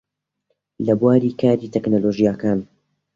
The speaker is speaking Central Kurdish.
لە بواری کاری تەکنۆلۆژیاکان